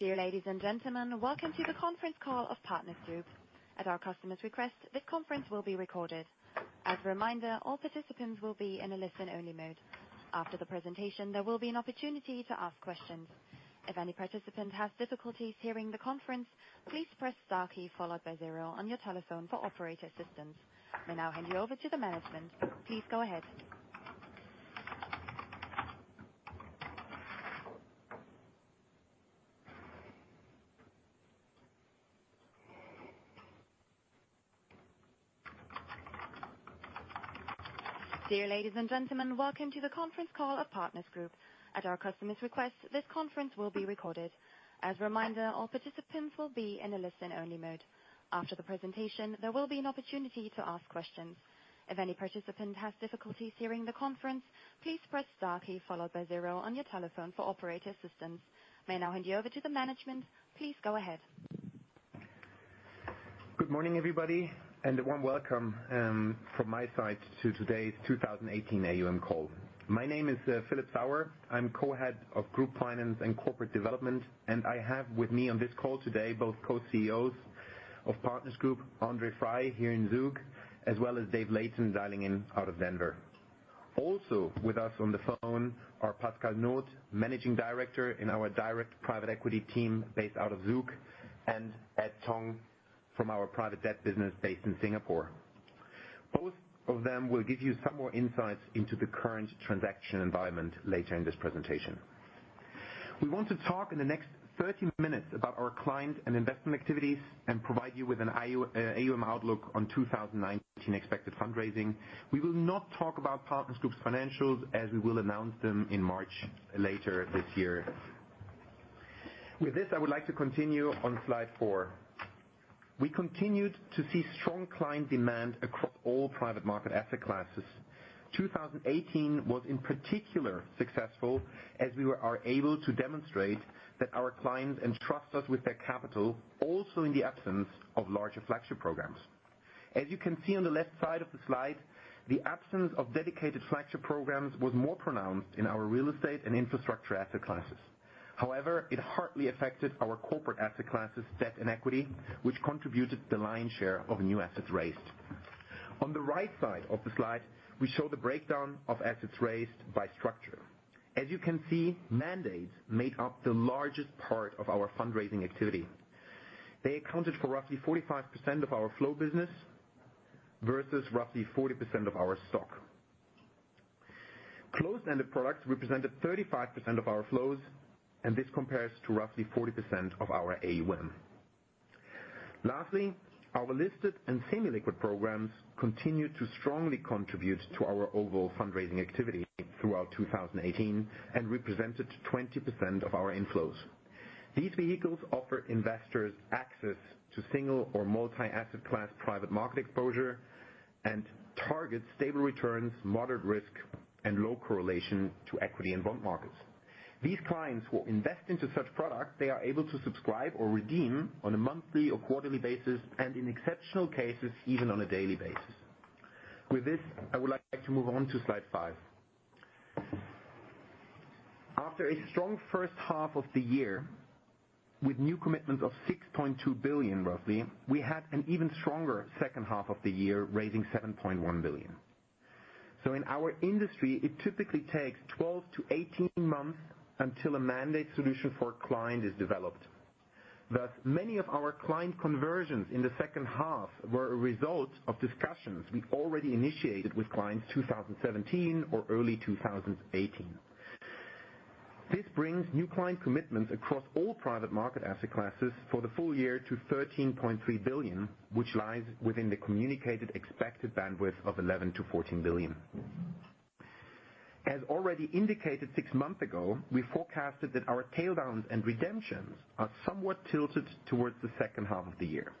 Dear ladies and gentlemen, welcome to the conference call of Partners Group. At our customer's request, this conference will be recorded. As a reminder, all participants will be in a listen-only mode. After the presentation, there will be an opportunity to ask questions. If any participant has difficulties hearing the conference, please press star followed by zero on your telephone for operator assistance. May now hand you over to the management. Please go ahead. Good morning, everybody. A warm welcome from my side to today's 2018 AUM call. My name is Philip Sauer. I am Co-Head of Group Finance and Corporate Development. I have with me on this call today both Co-CEOs of Partners Group, André Frei here in Zug, as well as Dave Layton dialing in out of Denver. Also with us on the phone are Pascal Noth, Managing Director in our direct private equity team based out of Zug, and Edward Tong from our private debt business based in Singapore. Both of them will give you some more insights into the current transaction environment later in this presentation. We want to talk in the next 30 minutes about our client and investment activities and provide you with an AUM outlook on 2019 expected fundraising. We will not talk about Partners Group's financials, as we will announce them in March later this year. With this, I would like to continue on slide four. We continued to see strong client demand across all private market asset classes. 2018 was in particular successful as we are able to demonstrate that our clients entrust us with their capital, also in the absence of larger flagship programs. As you can see on the left side of the slide, the absence of dedicated flagship programs was more pronounced in our private real estate and infrastructure asset classes. It hardly affected our corporate asset classes, private debt, and private equity, which contributed the lion's share of new assets raised. On the right side of the slide, we show the breakdown of assets raised by structure. As you can see, mandates made up the largest part of our fundraising activity. They accounted for roughly 45% of our flow business versus roughly 40% of our stock. Closed-ended products represented 35% of our flows. This compares to roughly 40% of our AUM. Lastly, our listed and semi-liquid programs continued to strongly contribute to our overall fundraising activity throughout 2018 and represented 20% of our inflows. These vehicles offer investors access to single or multi-asset class private market exposure and target stable returns, moderate risk, and low correlation to equity and bond markets. These clients who invest into such products, they are able to subscribe or redeem on a monthly or quarterly basis, and in exceptional cases, even on a daily basis. With this, I would like to move on to slide five. After a strong first half of the year with new commitments of 6.2 billion roughly, we had an even stronger second half of the year, raising 7.2 billion. In our industry, it typically takes 12-18 months until a mandate solution for a client is developed. Thus, many of our client conversions in the second half were a result of discussions we already initiated with clients 2017 or early 2018. This brings new client commitments across all private market asset classes for the full year to 13.3 billion, which lies within the communicated expected bandwidth of 11 billion-14 billion. As already indicated six months ago, we forecasted that our tail downs and redemptions are somewhat tilted towards the second half of the year.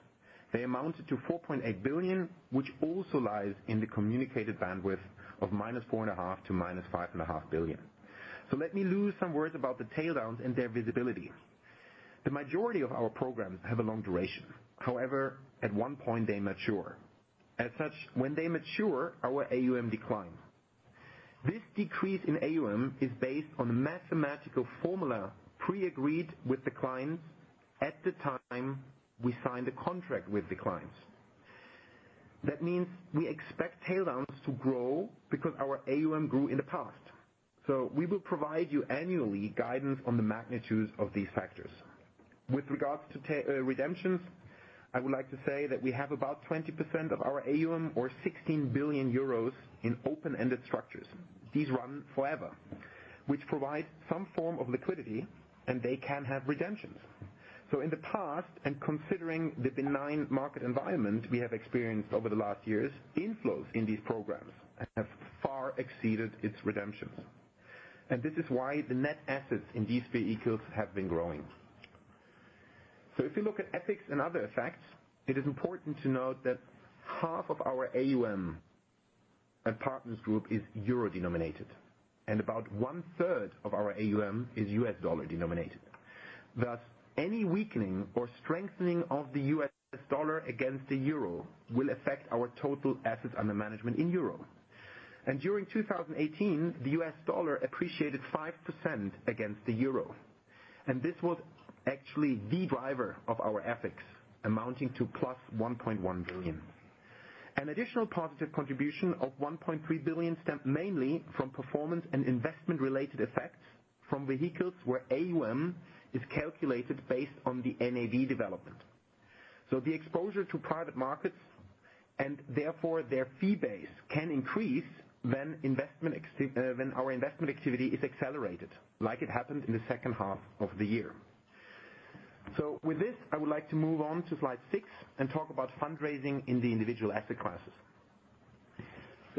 They amounted to 4.8 billion, which also lies in the communicated bandwidth of -4.5 billion to -5.5 billion. Let me lose some words about the tail downs and their visibility. The majority of our programs have a long duration. However, at one point they mature. As such, when they mature, our AUM decline. This decrease in AUM is based on a mathematical formula pre-agreed with the clients at the time we signed the contract with the clients. That means we expect tail downs to grow because our AUM grew in the past. We will provide you annually guidance on the magnitudes of these factors. With regards to redemptions, I would like to say that we have about 20% of our AUM or 16 billion euros in open-ended structures. These run forever, which provide some form of liquidity, and they can have redemptions. In the past and considering the benign market environment we have experienced over the last years, inflows in these programs have far exceeded its redemptions. This is why the net assets in these vehicles have been growing. If you look at FX and other effects, it is important to note that half of our AUM at Partners Group is euro-denominated, and about one-third of our AUM is US dollar-denominated. Thus, any weakening or strengthening of the US dollar against the euro will affect our total assets under management in euro. During 2018, the US dollar appreciated 5% against the euro, and this was actually the driver of our FX, amounting to +$1.1 billion. An additional positive contribution of $1.3 billion stemmed mainly from performance and investment-related effects from vehicles where AUM is calculated based on the NAV development. The exposure to private markets, and therefore their fee base, can increase when our investment activity is accelerated, like it happened in the second half of the year. With this, I would like to move on to slide six and talk about fundraising in the individual asset classes.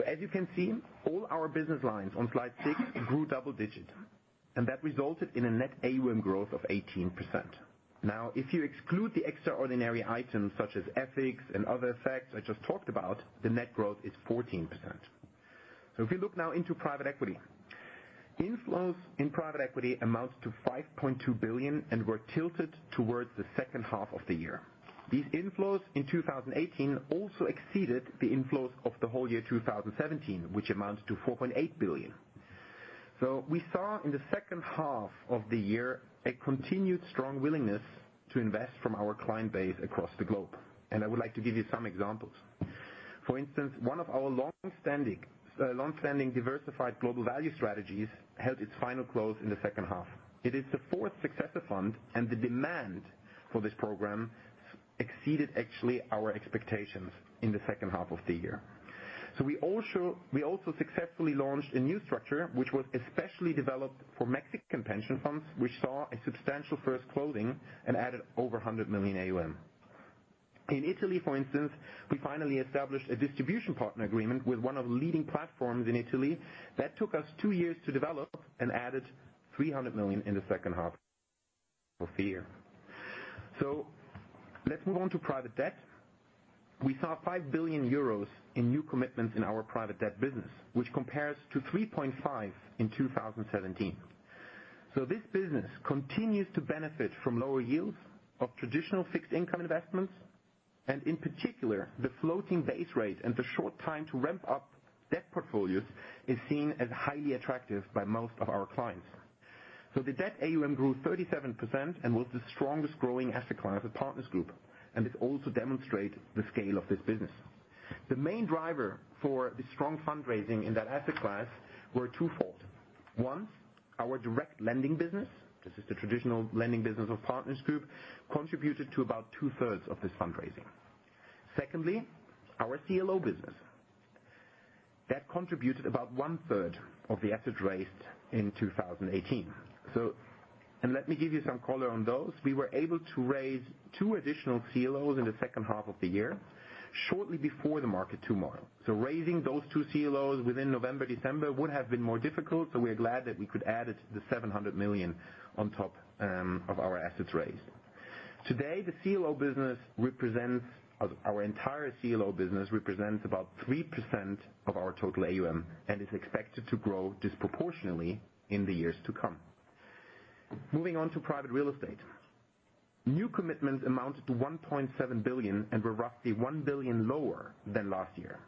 As you can see, all our business lines on slide six grew double digits, and that resulted in a net AUM growth of 18%. Now, if you exclude the extraordinary items such as FX and other effects I just talked about, the net growth is 14%. If you look now into private equity, inflows in private equity amounts to $5.2 billion and were tilted towards the second half of the year. These inflows in 2018 also exceeded the inflows of the whole year 2017, which amounts to $4.8 billion. We saw in the second half of the year a continued strong willingness to invest from our client base across the globe. I would like to give you some examples. For instance, one of our longstanding diversified global value strategies held its final close in the second half. It is the fourth successive fund, the demand for this program exceeded actually our expectations in the second half of the year. We also successfully launched a new structure, which was especially developed for Mexican pension funds. We saw a substantial first closing and added over 100 million AUM. In Italy, for instance, we finally established a distribution partner agreement with one of the leading platforms in Italy that took us two years to develop and added 300 million in the second half of the year. Let's move on to private debt. We saw 5 billion euros in new commitments in our private debt business, which compares to 3.5 billion in 2017. This business continues to benefit from lower yields of traditional fixed income investments, in particular, the floating base rate and the short time to ramp up debt portfolios is seen as highly attractive by most of our clients. The debt AUM grew 37% and was the strongest growing asset class at Partners Group, this also demonstrate the scale of this business. The main driver for the strong fundraising in that asset class were twofold. One, our direct lending business, this is the traditional lending business of Partners Group, contributed to about two-thirds of this fundraising. Secondly, our CLO business. That contributed about one-third of the assets raised in 2018. Let me give you some color on those. We were able to raise two additional CLOs in the second half of the year, shortly before the market turmoil. Raising those two CLOs within November, December would have been more difficult, we are glad that we could add it to the 700 million on top of our assets raised. Today, our entire CLO business represents about 3% of our total AUM and is expected to grow disproportionately in the years to come. Moving on to private real estate. New commitments amounted to $1.7 billion and were roughly $1 billion lower than last year.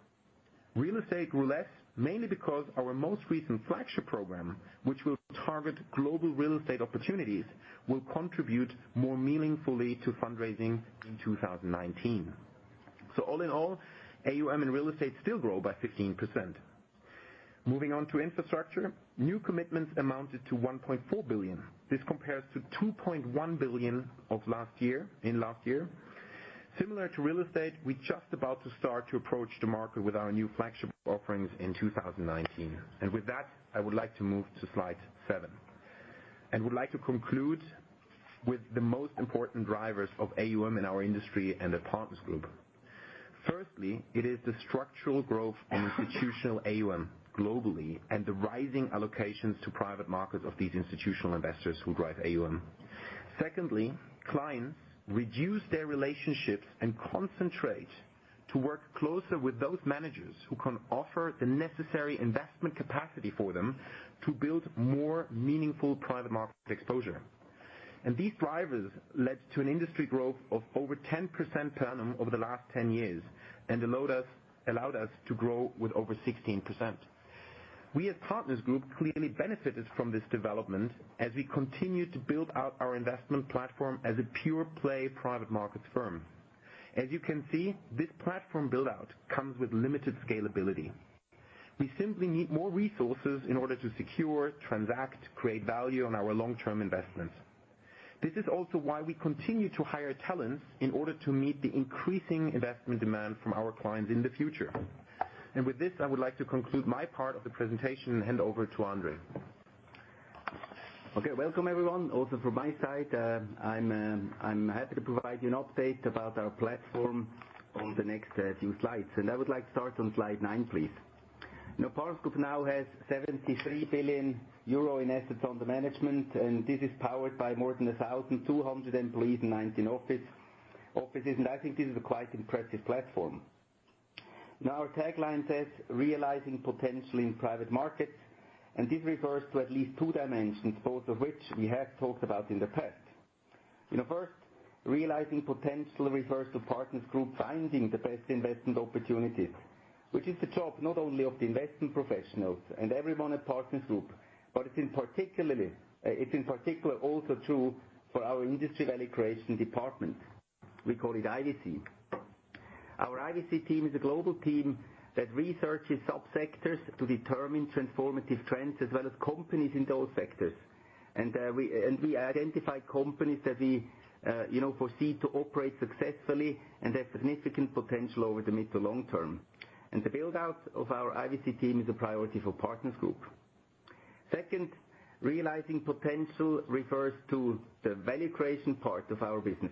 Real estate grew less mainly because our most recent flagship program, which will target global real estate opportunities, will contribute more meaningfully to fundraising in 2019. All in all, AUM and real estate still grow by 15%. Moving on to infrastructure. New commitments amounted to $1.4 billion. This compares to $2.1 billion in last year. Similar to real estate, we just about to start to approach the market with our new flagship offerings in 2019. With that, I would like to move to slide seven. Would like to conclude with the most important drivers of AUM in our industry and at Partners Group. Firstly, it is the structural growth in institutional AUM globally and the rising allocations to private markets of these institutional investors who drive AUM. Secondly, clients reduce their relationships and concentrate to work closer with those managers who can offer the necessary investment capacity for them to build more meaningful private market exposure. These drivers led to an industry growth of over 10% per annum over the last 10 years, allowed us to grow with over 16%. We, at Partners Group, clearly benefited from this development as we continue to build out our investment platform as a pure-play private markets firm. As you can see, this platform build-out comes with limited scalability. We simply need more resources in order to secure, transact, create value on our long-term investments. This is also why we continue to hire talents in order to meet the increasing investment demand from our clients in the future. With this, I would like to conclude my part of the presentation and hand over to André. Okay. Welcome everyone, also from my side. I'm happy to provide you an update about our platform on the next few slides. I would like to start on slide nine, please. Partners Group now has 73 billion euro in assets under management, and this is powered by more than 1,200 employees in 19 offices. I think this is a quite impressive platform. Our tagline says, "Realizing potential in private markets." This refers to at least two dimensions, both of which we have talked about in the past. First, realizing potential refers to Partners Group finding the best investment opportunities, which is the job not only of the investment professionals and everyone at Partners Group, but it's in particular also true for our industry value creation department. We call it IVC. Our IVC team is a global team that researches sub-sectors to determine transformative trends as well as companies in those sectors. We identify companies that we foresee to operate successfully and have significant potential over the mid to long term. The build-out of our IVC team is a priority for Partners Group. Second, realizing potential refers to the value creation part of our business.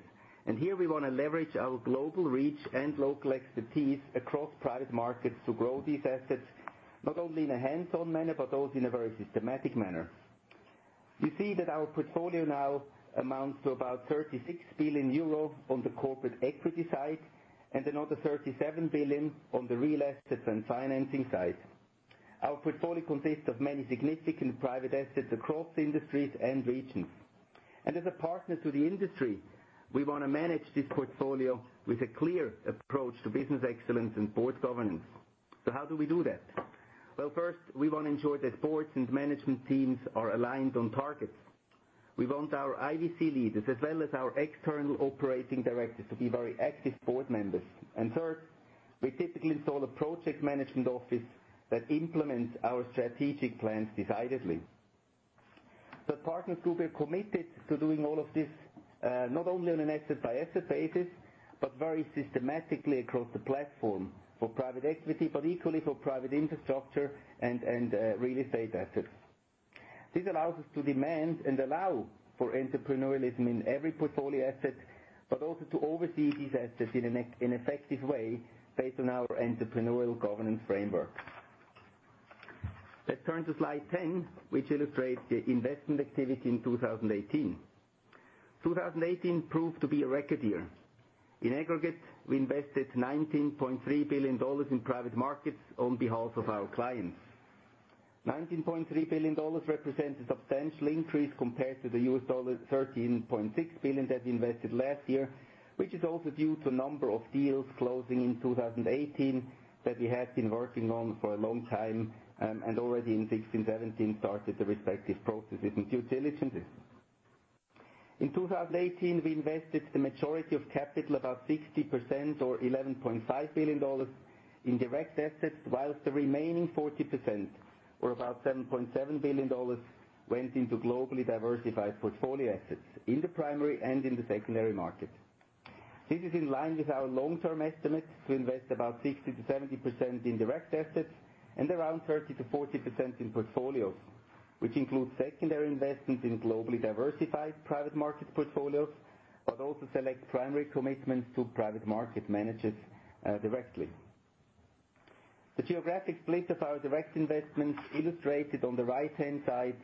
Here we want to leverage our global reach and local expertise across private markets to grow these assets, not only in a hands-on manner, but also in a very systematic manner. You see that our portfolio now amounts to about 36 billion euro on the corporate equity side, and another 37 billion on the real estate and financing side. Our portfolio consists of many significant private assets across industries and regions. As a partner to the industry, we want to manage this portfolio with a clear approach to business excellence and board governance. How do we do that? Well, first, we want to ensure that boards and management teams are aligned on targets. We want our IVC leaders, as well as our external operating directors, to be very active board members. Third, we typically install a project management office that implements our strategic plans decidedly. Partners Group are committed to doing all of this, not only on an asset-by-asset basis, but very systematically across the platform for private equity, but equally for private infrastructure and real estate assets. This allows us to demand and allow for entrepreneurialism in every portfolio asset, but also to oversee these assets in an effective way based on our entrepreneurial governance framework. Let's turn to slide 10, which illustrates the investment activity in 2018. 2018 proved to be a record year. In aggregate, we invested $19.3 billion in private markets on behalf of our clients. $19.3 billion represents a substantial increase compared to the $13.6 billion that we invested last year, which is also due to a number of deals closing in 2018 that we had been working on for a long time, and already in 2016, 2017, started the respective processes and due diligences. In 2018, we invested the majority of capital, about 60% or $11.5 billion in direct assets, whilst the remaining 40%, or about $7.7 billion, went into globally diversified portfolio assets in the primary and in the secondary market. This is in line with our long-term estimates to invest about 60%-70% in direct assets and around 30%-40% in portfolios, which includes secondary investments in globally diversified private market portfolios, but also select primary commitments to private market managers directly. The geographic split of our direct investments illustrated on the right-hand side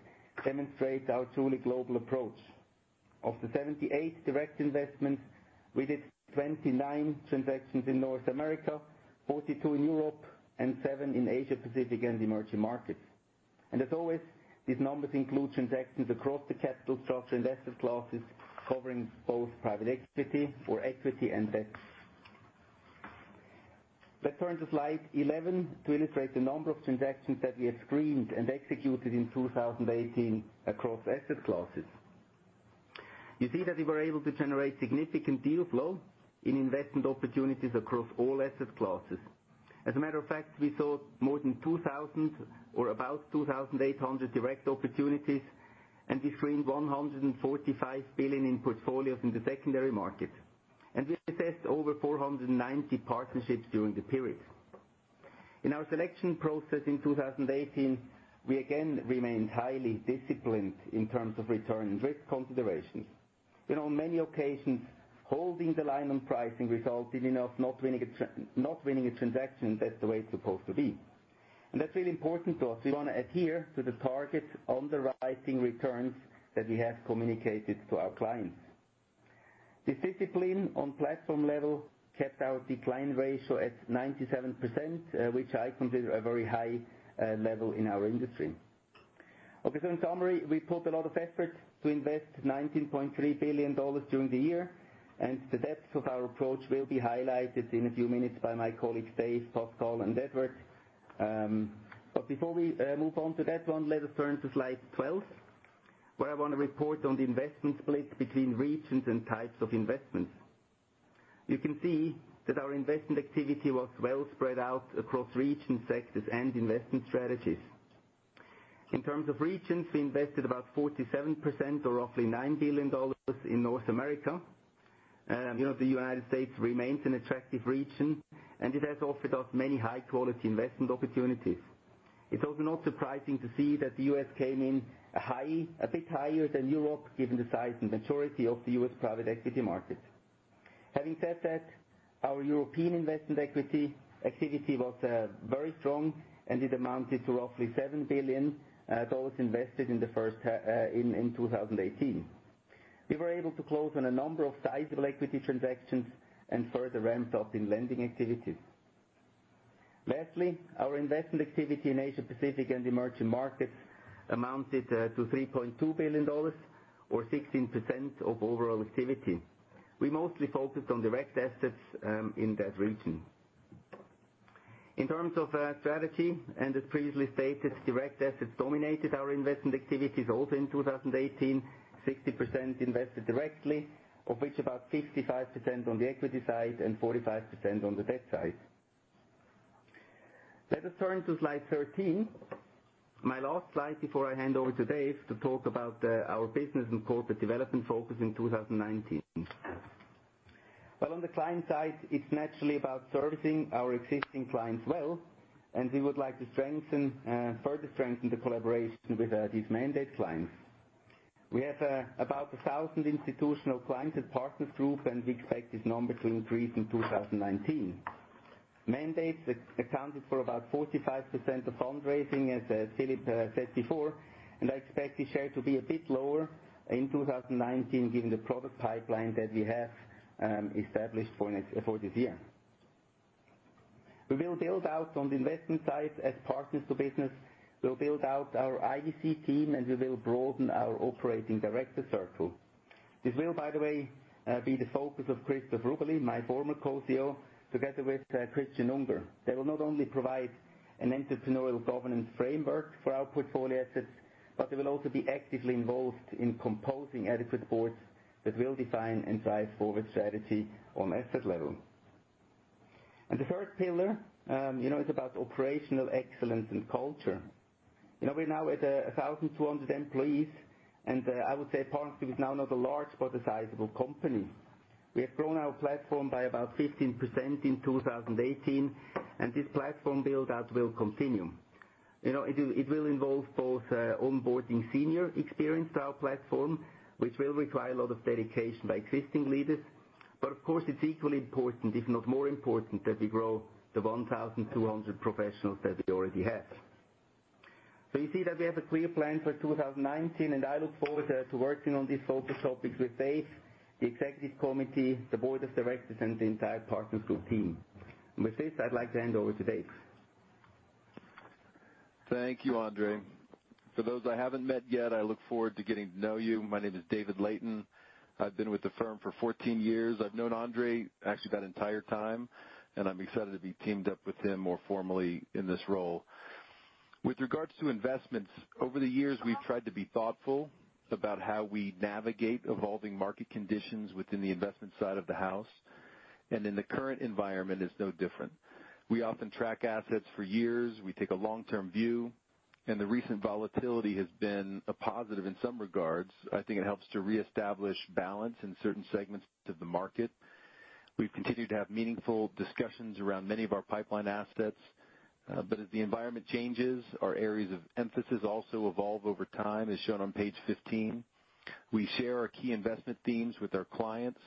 demonstrate our truly global approach. Of the 78 direct investments, we did 29 transactions in North America, 42 in Europe, and 7 in Asia Pacific and the emerging markets. As always, these numbers include transactions across the capital structure and asset classes, covering both private equity or equity and debt. Let's turn to slide 11 to illustrate the number of transactions that we have screened and executed in 2018 across asset classes. You see that we were able to generate significant deal flow in investment opportunities across all asset classes. As a matter of fact, we saw more than 2,000 or about 2,800 direct opportunities. We screened $145 billion in portfolios in the secondary market. We assessed over 490 partnerships during the period. In our selection process in 2018, we again remained highly disciplined in terms of return and risk considerations. On many occasions, holding the line on pricing resulted in us not winning a transaction. That's the way it's supposed to be. That's really important to us. We want to adhere to the targets on the rising returns that we have communicated to our clients. The discipline on platform level kept our decline ratio at 97%, which I consider a very high level in our industry. In summary, we put a lot of effort to invest $19.3 billion during the year. The depth of our approach will be highlighted in a few minutes by my colleagues, Dave, Pascal, and Edward. Before we move on to that one, let us turn to slide 12, where I want to report on the investment split between regions and types of investments. You can see that our investment activity was well spread out across regions, sectors, and investment strategies. In terms of regions, we invested about 47% or roughly $9 billion in North America. The United States remains an attractive region, and it has offered us many high-quality investment opportunities. It's also not surprising to see that the U.S. came in a bit higher than Europe, given the size and maturity of the U.S. private equity market. Having said that, our European investment equity activity was very strong, and it amounted to roughly CHF 7 billion invested in 2018. We were able to close on a number of sizable equity transactions and further ramped up in lending activities. Lastly, our investment activity in Asia Pacific and emerging markets amounted to CHF 3.2 billion, or 16% of overall activity. We mostly focused on direct assets in that region. In terms of strategy, and as previously stated, direct assets dominated our investment activities also in 2018, 60% invested directly, of which about 55% on the equity side and 45% on the debt side. Let us turn to slide 13, my last slide before I hand over to Dave to talk about our business and corporate development focus in 2019. Well, on the client side, it's naturally about servicing our existing clients well, and we would like to further strengthen the collaboration with these mandate clients. We have about 1,000 institutional clients at Partners Group, and we expect this number to increase in 2019. Mandates accounted for about 45% of fundraising, as Philip said before, and I expect the share to be a bit lower in 2019 given the product pipeline that we have established for this year. We will build out on the investment side as Partners Group business. We'll build out our IVC team, and we will broaden our operating director circle. This will, by the way, be the focus of Christoph Rubeli, my former Co-CEO, together with Christian Unger. They will not only provide an entrepreneurial governance framework for our portfolio assets, but they will also be actively involved in composing adequate boards that will define and drive forward strategy on asset level. The third pillar is about operational excellence and culture. We're now at 1,200 employees, and I would say Partners Group is now not a large, but a sizable company. We have grown our platform by about 15% in 2018, and this platform build-out will continue. It will involve both onboarding senior experience to our platform, which will require a lot of dedication by existing leaders. But of course, it's equally important, if not more important, that we grow the 1,200 professionals that we already have. You see that we have a clear plan for 2019, and I look forward to working on these focus topics with Dave, the executive committee, the board of directors, and the entire Partners Group team. With this, I'd like to hand over to Dave. Thank you, André. For those I haven't met yet, I look forward to getting to know you. My name is David Layton. I've been with the firm for 14 years. I've known André actually that entire time, and I'm excited to be teamed up with him more formally in this role. With regards to investments, over the years, we've tried to be thoughtful about how we navigate evolving market conditions within the investment side of the house. In the current environment it's no different. We often track assets for years. We take a long-term view, and the recent volatility has been a positive in some regards. I think it helps to reestablish balance in certain segments of the market. We've continued to have meaningful discussions around many of our pipeline assets. But as the environment changes, our areas of emphasis also evolve over time, as shown on page 15. We share our key investment themes with our clients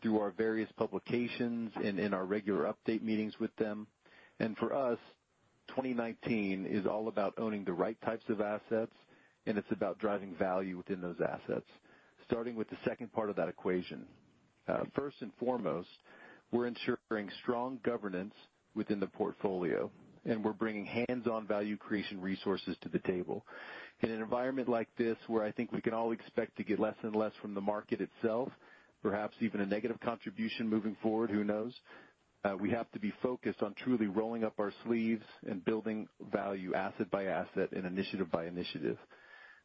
through our various publications and in our regular update meetings with them. For us, 2019 is all about owning the right types of assets, and it's about driving value within those assets, starting with the second part of that equation. First and foremost, we're ensuring strong governance within the portfolio, and we're bringing hands-on value creation resources to the table. In an environment like this, where I think we can all expect to get less and less from the market itself, perhaps even a negative contribution moving forward, who knows? We have to be focused on truly rolling up our sleeves and building value asset by asset and initiative by initiative.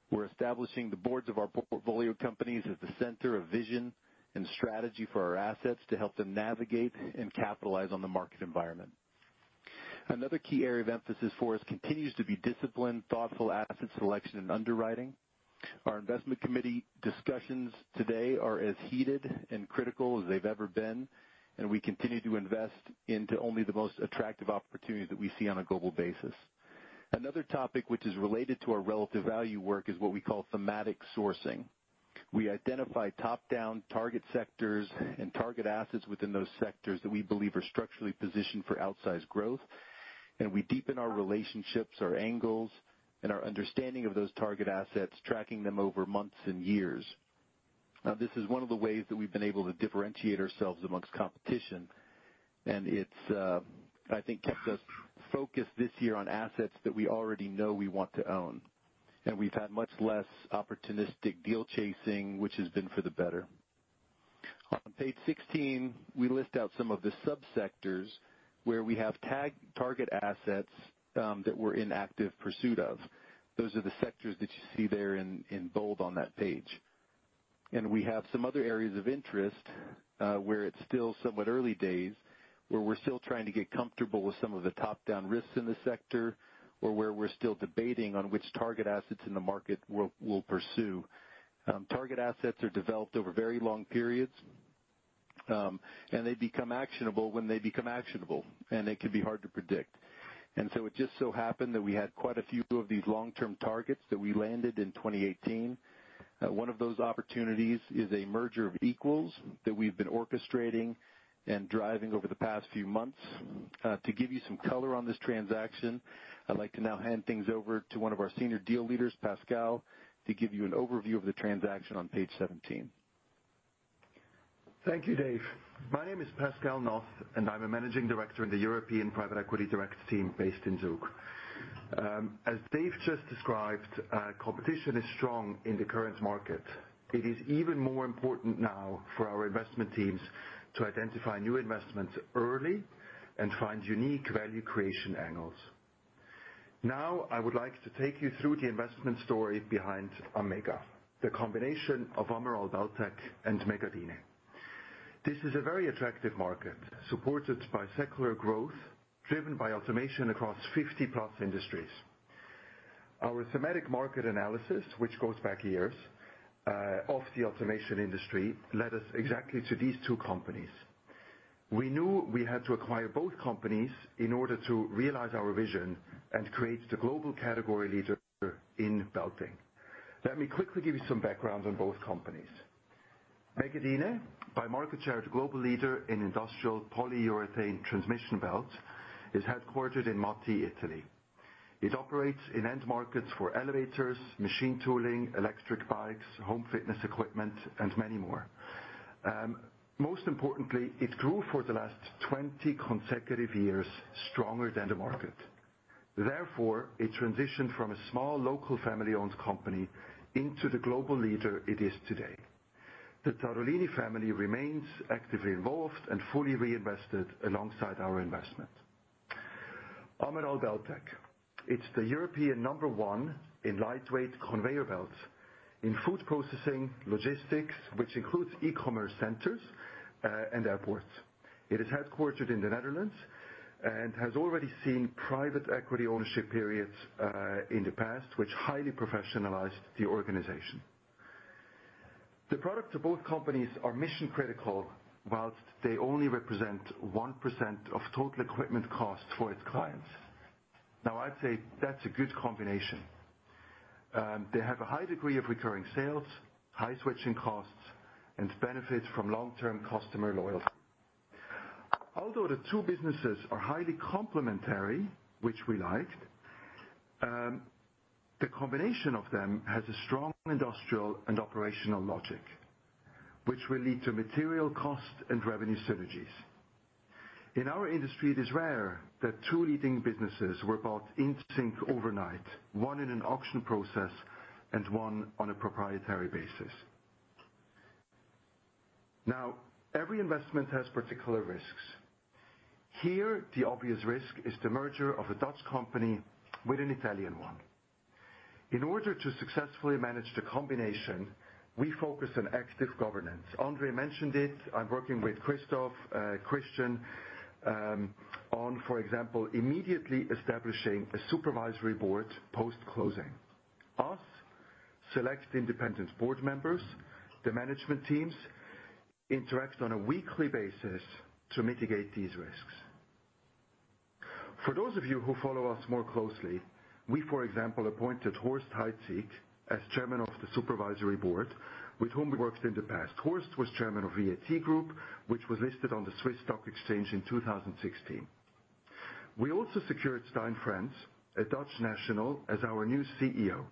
We're establishing the boards of our portfolio companies as the center of vision and strategy for our assets to help them navigate and capitalize on the market environment. Another key area of emphasis for us continues to be disciplined, thoughtful asset selection and underwriting. Our investment committee discussions today are as heated and critical as they've ever been, and we continue to invest into only the most attractive opportunities that we see on a global basis. Another topic which is related to our relative value work is what we call thematic sourcing. We identify top-down target sectors and target assets within those sectors that we believe are structurally positioned for outsized growth. We deepen our relationships, our angles, and our understanding of those target assets, tracking them over months and years. This is one of the ways that we've been able to differentiate ourselves amongst competition. It's, I think, kept us focused this year on assets that we already know we want to own. We've had much less opportunistic deal chasing, which has been for the better. On page 16, we list out some of the sub-sectors where we have target assets that we're in active pursuit of. Those are the sectors that you see there in bold on that page. We have some other areas of interest where it's still somewhat early days, where we're still trying to get comfortable with some of the top-down risks in the sector or where we're still debating on which target assets in the market we'll pursue. Target assets are developed over very long periods, and they become actionable when they become actionable, and it can be hard to predict. It just so happened that we had quite a few of these long-term targets that we landed in 2018. One of those opportunities is a merger of equals that we've been orchestrating and driving over the past few months. To give you some color on this transaction, I'd like to now hand things over to one of our senior deal leaders, Pascal, to give you an overview of the transaction on page 17. Thank you, Dave. My name is Pascal Noth, and I'm a managing director in the European private equity direct team based in Zug. As Dave just described, competition is strong in the current market. It is even more important now for our investment teams to identify new investments early and find unique value creation angles. I would like to take you through the investment story behind AMMEGA, the combination of Ammeraal Beltech and Megadyne. This is a very attractive market, supported by secular growth driven by automation across 50+ industries. Our thematic market analysis, which goes back years, of the automation industry, led us exactly to these two companies. We knew we had to acquire both companies in order to realize our vision and create the global category leader in belting. Let me quickly give you some background on both companies. Megadyne, by market share, the global leader in industrial polyurethane transmission belts, is headquartered in Mathi, Italy. It operates in end markets for elevators, machine tooling, electric bikes, home fitness equipment, and many more. Most importantly, it grew for the last 20 consecutive years, stronger than the market. Therefore, a transition from a small, local family-owned company into the global leader it is today. The Tadolini family remains actively involved and fully reinvested alongside our investment. Ammeraal Beltech, it's the European number one in lightweight conveyor belts in food processing, logistics, which includes e-commerce centers, and airports. It is headquartered in the Netherlands and has already seen private equity ownership periods in the past, which highly professionalized the organization. The product of both companies are mission-critical, whilst they only represent 1% of total equipment cost for its clients. I'd say that's a good combination. They have a high degree of recurring sales, high switching costs, and benefits from long-term customer loyalty. The two businesses are highly complementary, which we liked, the combination of them has a strong industrial and operational logic, which will lead to material cost and revenue synergies. In our industry, it is rare that two leading businesses were bought in sync overnight, one in an auction process and one on a proprietary basis. Every investment has particular risks. Here, the obvious risk is the merger of a Dutch company with an Italian one. In order to successfully manage the combination, we focus on active governance. André mentioned it. I'm working with Christoph, Christian on, for example, immediately establishing a supervisory board post-closing. Us, select independent board members. The management teams interact on a weekly basis to mitigate these risks. For those of you who follow us more closely, we, for example, appointed Horst Heitz as chairman of the supervisory board, with whom we worked in the past. Horst was chairman of VAT Group, which was listed on the Swiss Stock Exchange in 2016. We also secured Stijn Frans, a Dutch national, as our new CEO.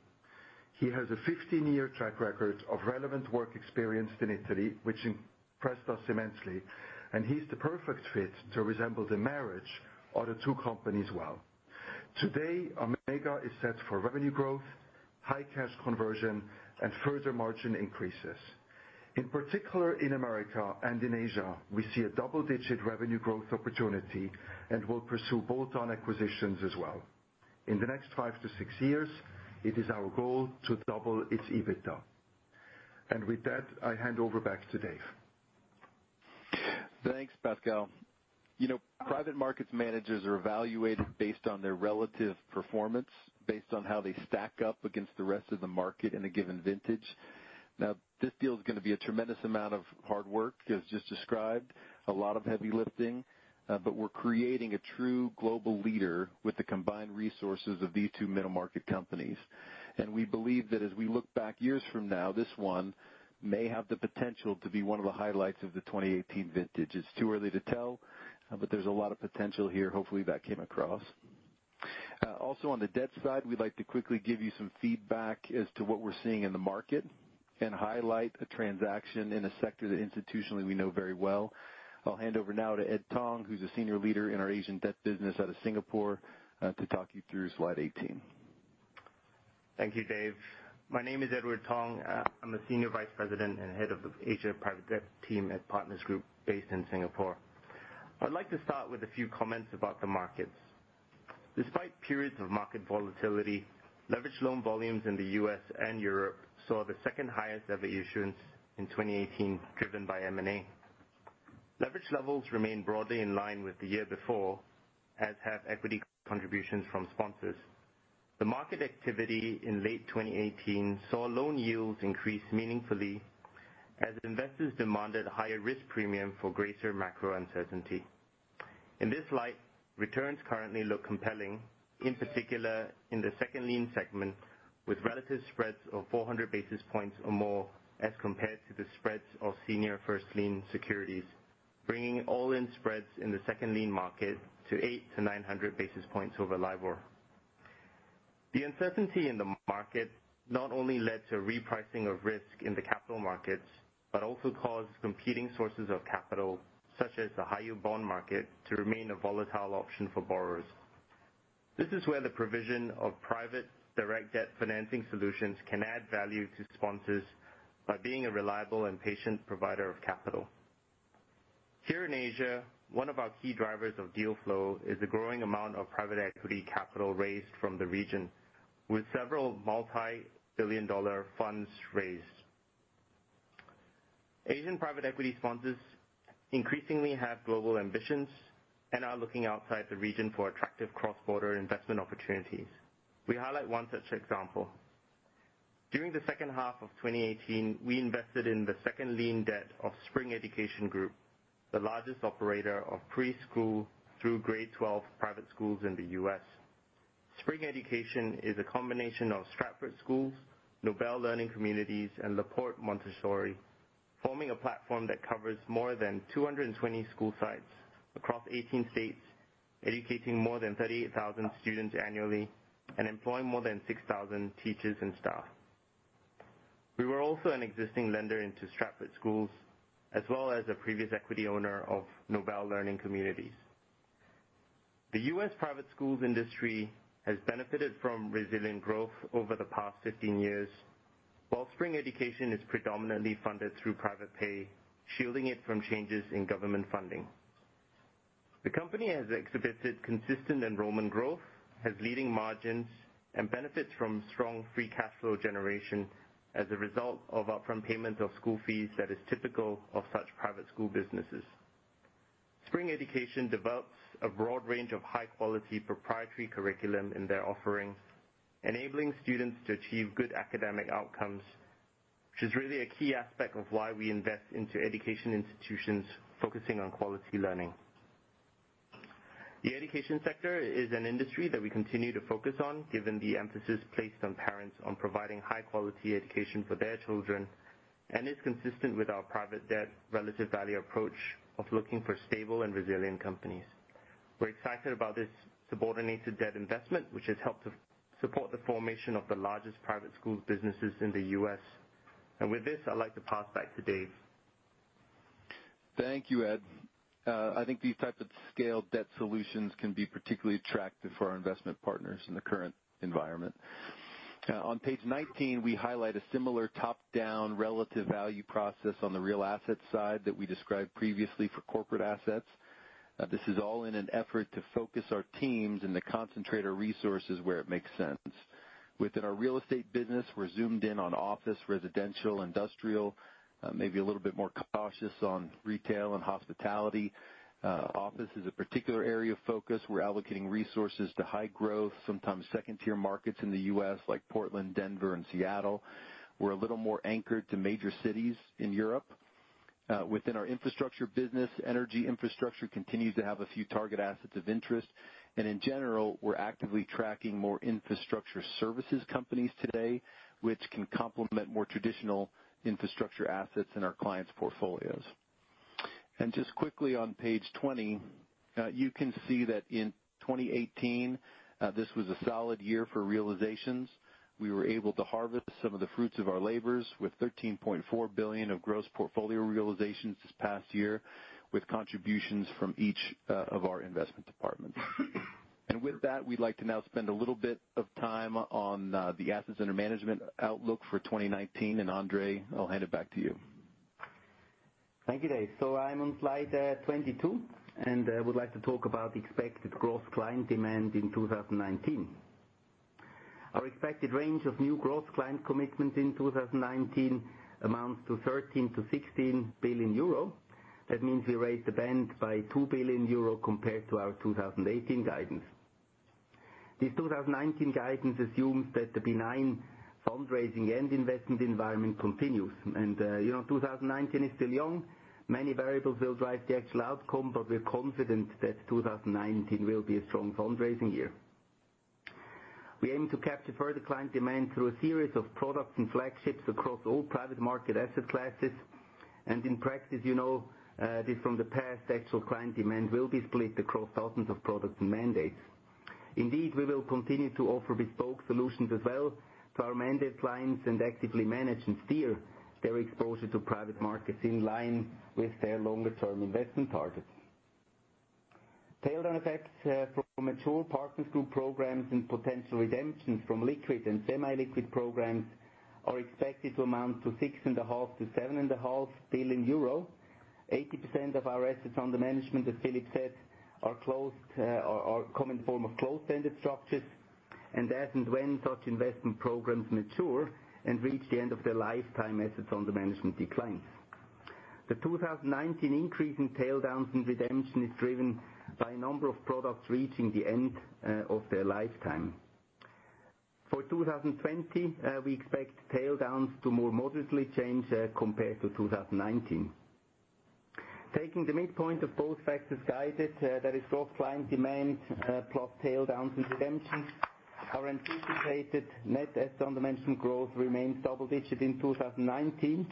He has a 15-year track record of relevant work experience in Italy, which impressed us immensely, and he's the perfect fit to resemble the marriage of the two companies well. Today, AMMEGA is set for revenue growth, high cash conversion, and further margin increases. In particular, in America and in Asia, we see a double-digit revenue growth opportunity, and we'll pursue bolt-on acquisitions as well. In the next five to six years, it is our goal to double its EBITDA. With that, I hand over back to Dave. Thanks, Pascal. Private markets managers are evaluated based on their relative performance, based on how they stack up against the rest of the market in a given vintage. This deal is going to be a tremendous amount of hard work, as just described, a lot of heavy lifting. We're creating a true global leader with the combined resources of these two middle-market companies. We believe that as we look back years from now, this one may have the potential to be one of the highlights of the 2018 vintage. It's too early to tell, but there's a lot of potential here. Hopefully, that came across. Also, on the debt side, we'd like to quickly give you some feedback as to what we're seeing in the market and highlight a transaction in a sector that institutionally we know very well. I'll hand over now to Edward Tong, who's a senior leader in our Asian debt business out of Singapore, to talk you through slide 18. Thank you, Dave. My name is Edward Tong. I'm a senior vice president and head of the Asia private debt team at Partners Group based in Singapore. I'd like to start with a few comments about the markets. Despite periods of market volatility, leverage loan volumes in the U.S. and Europe saw the second highest ever issuance in 2018, driven by M&A. Leverage levels remain broadly in line with the year before, as have equity contributions from sponsors. The market activity in late 2018 saw loan yields increase meaningfully as investors demanded higher risk premium for greater macro uncertainty. In this light, returns currently look compelling, in particular in the second lien segment, with relative spreads of 400 basis points or more as compared to the spreads of senior first lien securities, bringing all-in spreads in the second lien market to 8 to 900 basis points over LIBOR. The uncertainty in the market not only led to repricing of risk in the capital markets, but also caused competing sources of capital, such as the high yield bond market, to remain a volatile option for borrowers. This is where the provision of private direct debt financing solutions can add value to sponsors by being a reliable and patient provider of capital. Here in Asia, one of our key drivers of deal flow is the growing amount of private equity capital raised from the region, with several multi-billion dollar funds raised. Asian private equity sponsors increasingly have global ambitions and are looking outside the region for attractive cross-border investment opportunities. We highlight one such example. During the second half of 2018, we invested in the second lien debt of Spring Education Group, the largest operator of preschool through grade 12 private schools in the U.S. Spring Education is a combination of Stratford Schools, Nobel Learning Communities, and LePort Montessori, forming a platform that covers more than 220 school sites across 18 states, educating more than 38,000 students annually and employing more than 6,000 teachers and staff. We were also an existing lender into Stratford Schools, as well as a previous equity owner of Nobel Learning Communities. The U.S. private schools industry has benefited from resilient growth over the past 15 years, while Spring Education is predominantly funded through private pay, shielding it from changes in government funding. The company has exhibited consistent enrollment growth, has leading margins, and benefits from strong free cash flow generation as a result of upfront payment of school fees that is typical of such private school businesses. Spring Education develops a broad range of high-quality proprietary curriculum in their offerings, enabling students to achieve good academic outcomes, which is really a key aspect of why we invest into education institutions focusing on quality learning. The education sector is an industry that we continue to focus on given the emphasis placed on parents on providing high-quality education for their children, and is consistent with our private debt relative value approach of looking for stable and resilient companies. We're excited about this subordinated debt investment, which has helped to support the formation of the largest private school businesses in the U.S. With this, I'd like to pass back to Dave. Thank you, Ed. I think these types of scaled debt solutions can be particularly attractive for our investment partners in the current environment. On page 19, we highlight a similar top-down relative value process on the real assets side that we described previously for corporate assets. This is all in an effort to focus our teams and to concentrate our resources where it makes sense. Within our real estate business, we're zoomed in on office, residential, industrial, maybe a little bit more cautious on retail and hospitality. Office is a particular area of focus. We're allocating resources to high growth, sometimes second-tier markets in the U.S. like Portland, Denver, and Seattle. We're a little more anchored to major cities in Europe. Within our infrastructure business, energy infrastructure continues to have a few target assets of interest. In general, we're actively tracking more infrastructure services companies today, which can complement more traditional infrastructure assets in our clients' portfolios. Just quickly on page 20, you can see that in 2018, this was a solid year for realizations. We were able to harvest some of the fruits of our labors with $13.4 billion of gross portfolio realizations this past year, with contributions from each of our investment departments. With that, we'd like to now spend a little bit of time on the assets under management outlook for 2019. André, I'll hand it back to you. Thank you, Dave. I'm on slide 22, and I would like to talk about the expected growth client demand in 2019. Our expected range of new growth client commitments in 2019 amounts to 13 billion to 16 billion euro. That means we raised the band by 2 billion euro compared to our 2018 guidance. This 2019 guidance assumes that the benign fundraising and investment environment continues. 2019 is still young. Many variables will drive the actual outcome, but we're confident that 2019 will be a strong fundraising year. We aim to capture further client demand through a series of products and flagships across all private market asset classes. In practice, you know this from the past, actual client demand will be split across thousands of products and mandates. Indeed, we will continue to offer bespoke solutions as well to our mandate clients and actively manage and steer their exposure to private markets in line with their longer-term investment targets. Taildown effects from mature Partners Group programs and potential redemptions from liquid and semi-liquid programs are expected to amount to 6.5 billion euro to 7.5 billion. 80% of our assets under management, as Philip said, come in form of closed-ended structures. As and when such investment programs mature and reach the end of their lifetime, assets under management decline. The 2019 increase in taildowns and redemptions is driven by a number of products reaching the end of their lifetime. For 2020, we expect taildowns to more moderately change compared to 2019. Taking the midpoint of both factors guided, that is growth client demand plus taildowns and redemptions, our anticipated net assets under management growth remains double digits in 2019.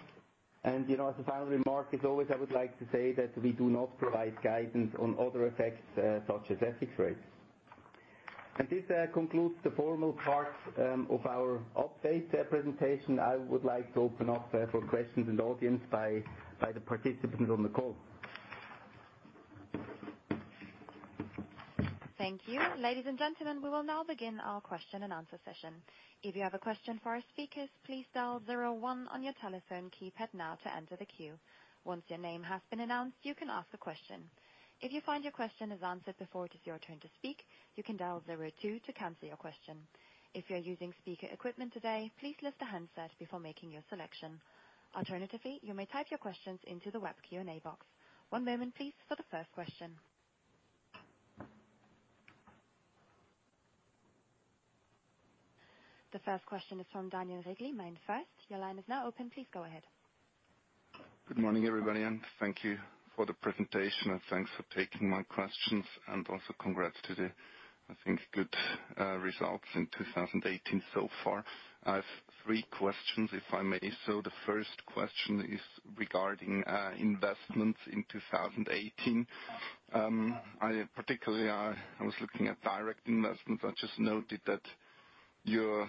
As a final remark, as always, I would like to say that we do not provide guidance on other effects such as FX rates. This concludes the formal part of our update presentation. I would like to open up for questions in the audience by the participants on the call. Thank you. Ladies and gentlemen, we will now begin our question and answer session. If you have a question for our speakers, please dial zero one on your telephone keypad now to enter the queue. Once your name has been announced, you can ask a question. If you find your question is answered before it is your turn to speak, you can dial zero two to cancel your question. If you're using speaker equipment today, please lift the handset before making your selection. Alternatively, you may type your questions into the web Q&A box. One moment please, for the first question. The first question is from Daniel Regli, MainFirst. Your line is now open. Please go ahead. Good morning, everybody, thank you for the presentation, thanks for taking my questions, also congrats to the, I think, good results in 2018 so far. I have three questions, if I may. The first question is regarding investments in 2018. Particularly, I was looking at direct investments. I just noted that you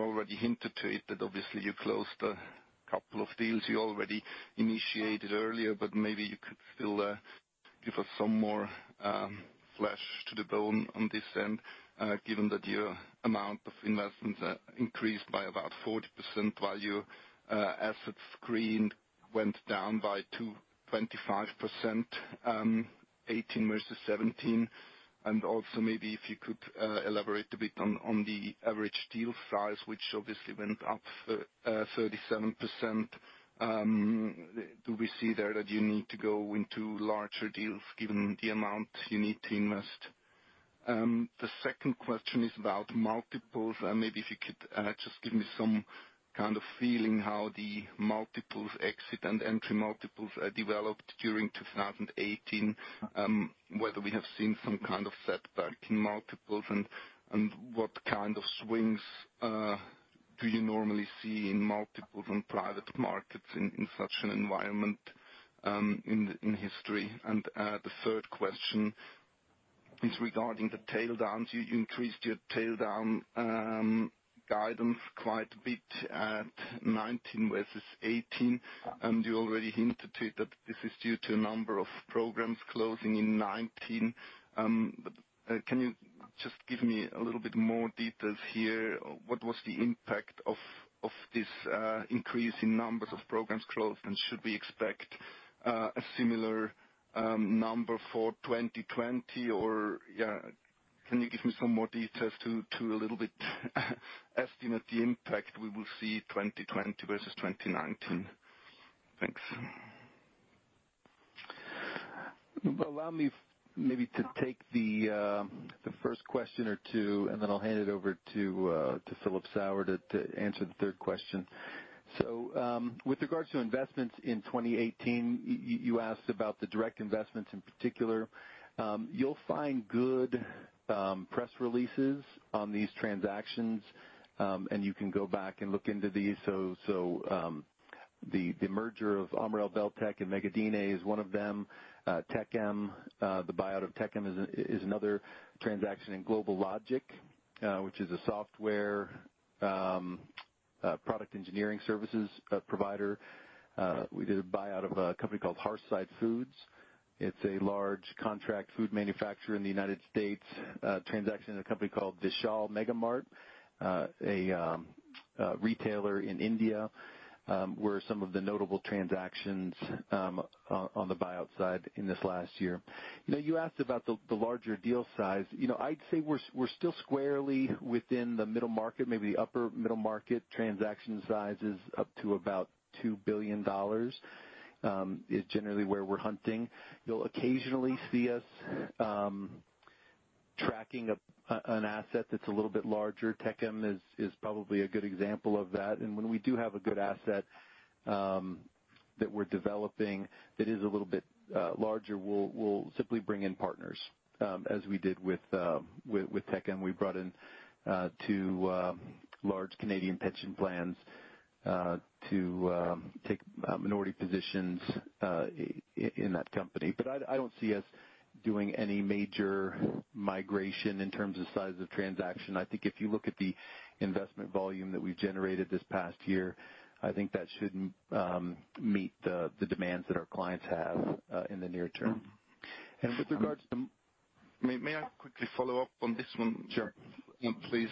already hinted to it, that obviously you closed a couple of deals you already initiated earlier, but maybe you could still give us some more flesh to the bone on this end, given that your amount of investments increased by about 40%, while your assets screened went down by 25%, 2018 versus 2017. Also maybe if you could elaborate a bit on the average deal size, which obviously went up 37%. Do we see there that you need to go into larger deals given the amount you need to invest? The second question is about multiples. Maybe if you could just give me some kind of feeling how the multiples exit and entry multiples developed during 2018, whether we have seen some kind of setback in multiples and what kind of swings do you normally see in multiples on private markets in such an environment in history? The third question is regarding the taildowns. You increased your taildown guidance quite a bit at 2019 versus 2018. You already hinted to that this is due to a number of programs closing in 2019. Can you just give me a little bit more details here? What was the impact of this increase in numbers of programs closed, should we expect a similar number for 2020? Can you give me some more details to a little bit estimate the impact we will see 2020 versus 2019? Thanks. Allow me maybe to take the first question or two. Then I'll hand it over to Philip Sauer to answer the third question. With regards to investments in 2018, you asked about the direct investments in particular. You'll find good press releases on these transactions, you can go back and look into these. The merger of Ammeraal Beltech and Megadyne is one of them. The buyout of Techem is another transaction. GlobalLogic, which is a software product engineering services provider. We did a buyout of a company called Hearthside Foods. It's a large contract food manufacturer in the U.S. A transaction in a company called Vishal Mega Mart, a retailer in India, were some of the notable transactions on the buyout side in this last year. You asked about the larger deal size. I'd say we're still squarely within the middle market, maybe the upper middle market. Transaction sizes up to about CHF 2 billion is generally where we're hunting. You'll occasionally see us tracking an asset that's a little bit larger. Techem is probably a good example of that, and when we do have a good asset that we're developing that is a little bit larger, we'll simply bring in partners, as we did with Techem. We brought in two large Canadian pension plans to take minority positions in that company. I don't see us doing any major migration in terms of size of transaction. I think if you look at the investment volume that we've generated this past year, I think that should meet the demands that our clients have in the near term. May I quickly follow up on this one, Jared, please?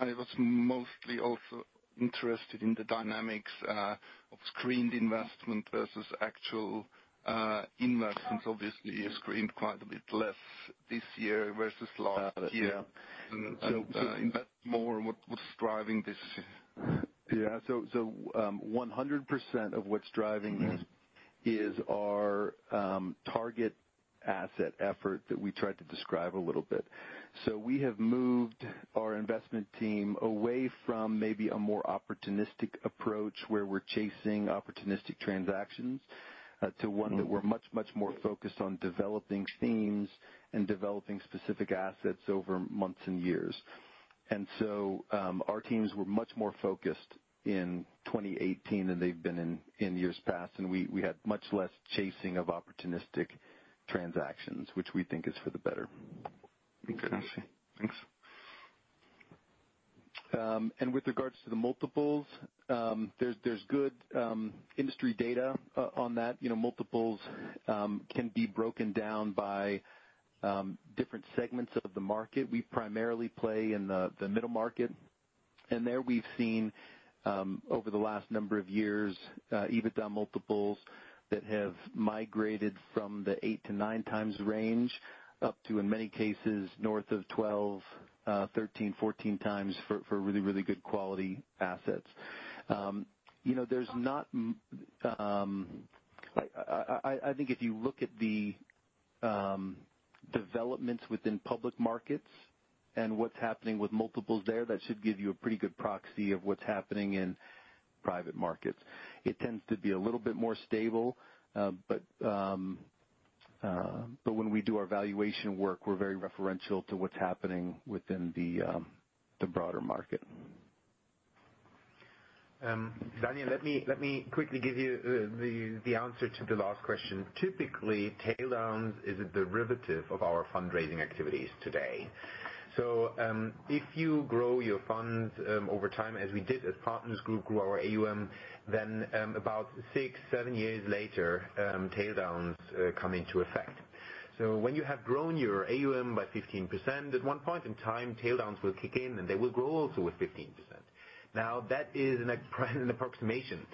I was mostly also interested in the dynamics of screened investment versus actual investments. Obviously, you screened quite a bit less this year versus last year. Invest more in what was driving this. Yeah. 100% of what's driving this is our target asset effort that we tried to describe a little bit. We have moved our investment team away from maybe a more opportunistic approach where we're chasing opportunistic transactions, to one that we're much more focused on developing themes and developing specific assets over months and years. Our teams were much more focused in 2018 than they've been in years past, and we had much less chasing of opportunistic transactions, which we think is for the better. Okay. I see. Thanks. With regards to the multiples, there's good industry data on that. Multiples can be broken down by different segments of the market. We primarily play in the middle market, and there we've seen, over the last number of years, EBITDA multiples that have migrated from the eight to nine times range up to, in many cases, north of 12, 13, 14 times for really good quality assets. I think if you look at the developments within public markets and what's happening with multiples there, that should give you a pretty good proxy of what's happening in private markets. It tends to be a little bit more stable. When we do our valuation work, we're very referential to what's happening within the broader market. Daniel, let me quickly give you the answer to the last question. Typically, tail downs is a derivative of our fundraising activities today. If you grow your funds over time, as we did as Partners Group grew our AUM, then about six, seven years later tail downs come into effect. When you have grown your AUM by 15%, at one point in time tail downs will kick in, and they will grow also with 15%. Now, that is an approximation.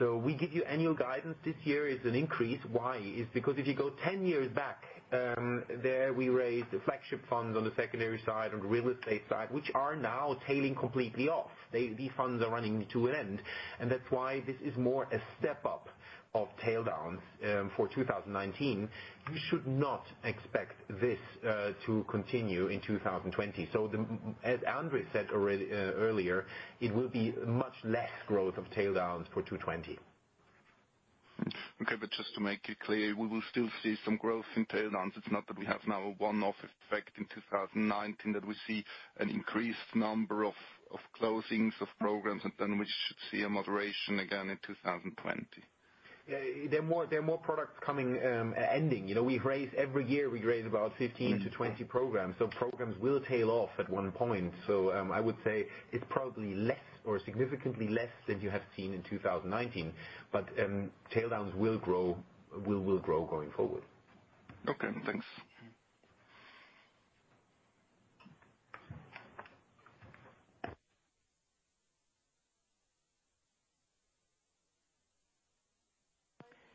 We give you annual guidance this year is an increase. Why? It's because if you go 10 years back, there we raised flagship funds on the secondary side, on the real estate side, which are now tailing completely off. These funds are running to an end, and that's why this is more a step up of tail downs for 2019. You should not expect this to continue in 2020. As André said earlier, it will be much less growth of tail downs for 2020. Okay, just to make it clear, we will still see some growth in tail downs. It's not that we have now a one-off effect in 2019, that we see an increased number of closings of programs, then we should see a moderation again in 2020. There are more products ending. Every year we raise about 15 to 20 programs will tail off at one point. I would say it's probably less or significantly less than you have seen in 2019, tail downs will grow going forward. Okay, thanks.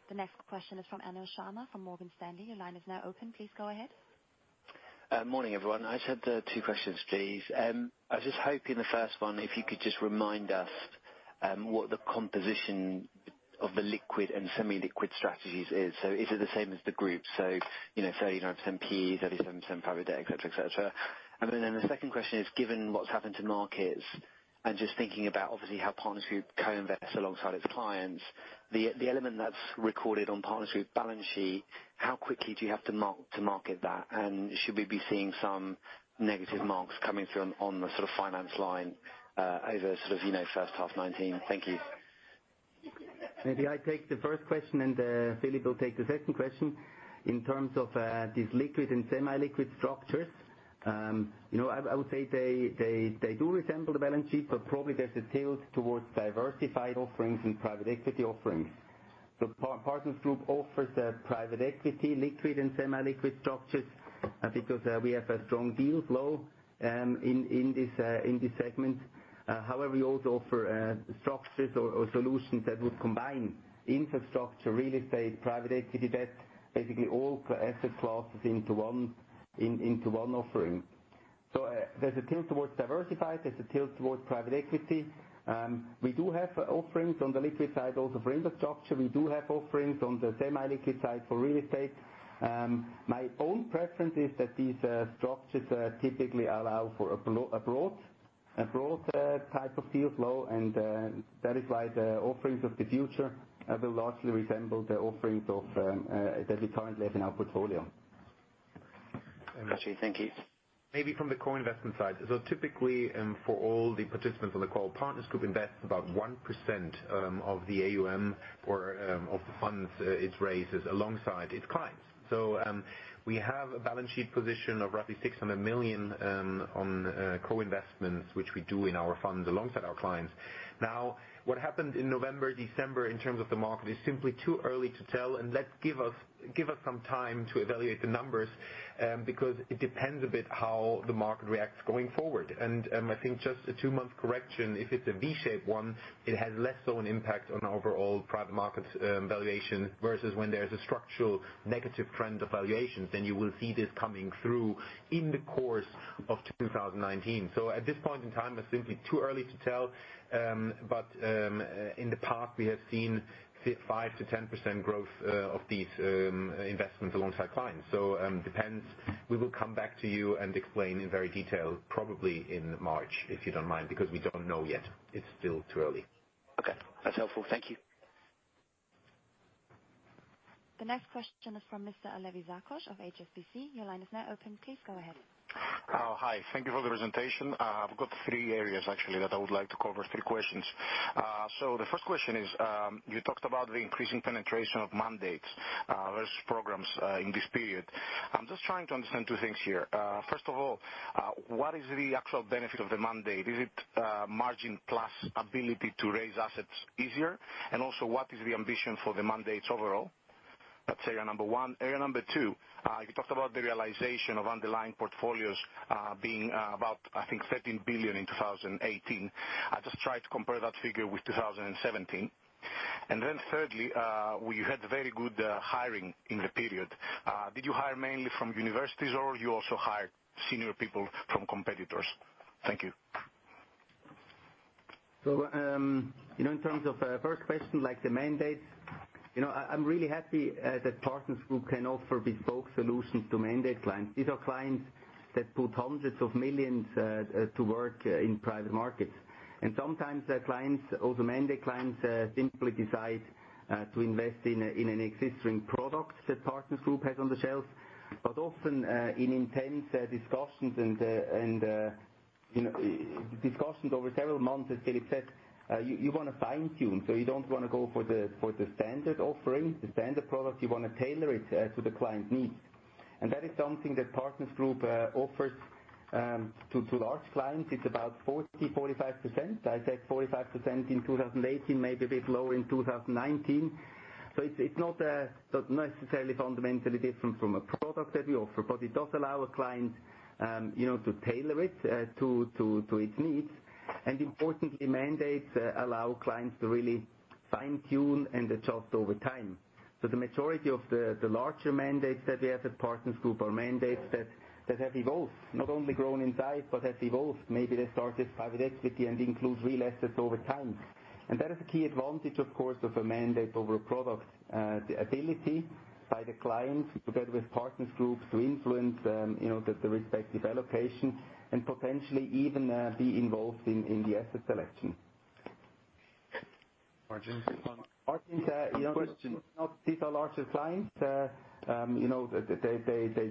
The next question is from Anil Sharma from Morgan Stanley. Your line is now open. Please go ahead. Morning, everyone. I just had two questions, please. I was just hoping the first one, if you could just remind us what the composition of the liquid and semi-liquid strategies is. Is it the same as the group? 39% PE, 37% private debt, et cetera. The second question is, given what's happened to markets and just thinking about obviously how Partners Group co-invests alongside its clients, the element that's recorded on Partners Group balance sheet, how quickly do you have to market that? Should we be seeing some negative marks coming through on the finance line over first half 2019? Thank you. Maybe I take the first question. Philip will take the second question. In terms of these liquid and semi-liquid structures, I would say they do resemble the balance sheet, but probably there's a tilt towards diversified offerings and private equity offerings. Partners Group offers private equity liquid and semi-liquid structures because we have a strong deal flow in this segment. However, we also offer structures or solutions that would combine infrastructure, real estate, private equity debt, basically all asset classes into one offering. There's a tilt towards diversified, there's a tilt towards private equity. We do have offerings on the liquid side also for infrastructure. We do have offerings on the semi-liquid side for real estate. My own preference is that these structures typically allow for a broad type of deal flow. That is why the offerings of the future will largely resemble the offerings that we currently have in our portfolio. Got you. Thank you. Maybe from the co-investment side. Typically, for all the participants on the call, Partners Group invests about 1% of the AUM or of the funds it raises alongside its clients. We have a balance sheet position of roughly 600 million on co-investments, which we do in our funds alongside our clients. What happened in November, December in terms of the market is simply too early to tell, and give us some time to evaluate the numbers because it depends a bit how the market reacts going forward. I think just a two-month correction, if it's a V-shaped one, it has less so an impact on overall private market valuation versus when there's a structural negative trend of valuations, then you will see this coming through in the course of 2019. At this point in time, it's simply too early to tell. In the past we have seen 5%-10% growth of these investments alongside clients. Depends. We will come back to you and explain in very detail probably in March, if you don't mind, because we don't know yet. It's still too early. Okay. That's helpful. Thank you. The next question is from Mr. Alevizos Alevizakos of HSBC. Your line is now open. Please go ahead. Hi. Thank you for the presentation. I've got three areas, actually, that I would like to cover. Three questions. The first question is, you talked about the increasing penetration of mandates versus programs in this period. I'm just trying to understand two things here. First of all, what is the actual benefit of the mandate? Is it margin plus ability to raise assets easier? Also, what is the ambition for the mandates overall? That's area number one. Area number two, you talked about the realization of underlying portfolios being about, I think, 13 billion in 2018. I just tried to compare that figure with 2017. Thirdly, you had very good hiring in the period. Did you hire mainly from universities, or you also hired senior people from competitors? Thank you. In terms of first question, like the mandate, I'm really happy that Partners Group can offer bespoke solutions to mandate clients. These are clients that put hundreds of millions CHF to work in private markets. Sometimes the clients or the mandate clients simply decide to invest in an existing product that Partners Group has on the shelf. Often, in intense discussions over several months, as Philip said, you want to fine-tune, you don't want to go for the standard offering, the standard product. You want to tailor it to the client needs. That is something that Partners Group offers to large clients. It's about 40%-45%. I said 45% in 2018, maybe a bit lower in 2019. It's not necessarily fundamentally different from a product that we offer. It does allow a client to tailor it to its needs. Importantly, mandates allow clients to really fine-tune and adjust over time. The majority of the larger mandates that we have at Partners Group are mandates that have evolved, not only grown in size, but have evolved. Maybe they started private equity and include real assets over time. That is a key advantage, of course, of a mandate over a product. The ability by the client, together with Partners Group, to influence the respective allocation and potentially even be involved in the asset selection. Margin? Margin. Question. These are larger clients. They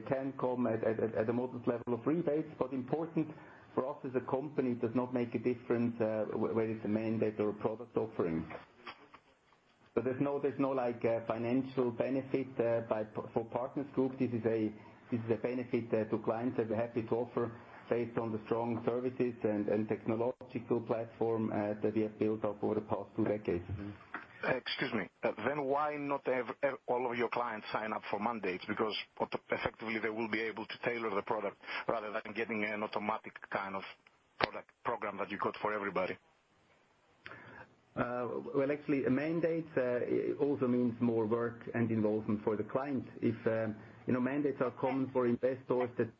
can come at the most level of rebates, important for us as a company, it does not make a difference whether it's a mandate or a product offering. There's no financial benefit for Partners Group. This is a benefit to clients that we're happy to offer based on the strong services and technological platform that we have built up over the past two decades. Excuse me. Why not have all of your clients sign up for mandates? Effectively they will be able to tailor the product rather than getting an automatic kind of program that you got for everybody. Well, actually, a mandate also means more work and involvement for the client. Mandates are common for investors that